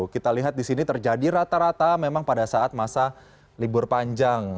kita lihat di sini terjadi rata rata memang pada saat masa libur panjang